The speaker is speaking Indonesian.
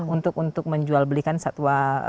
untuk menjual belikan satwa